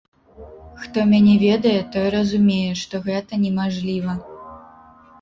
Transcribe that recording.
Хто мяне ведае, той разумее, што гэта немажліва.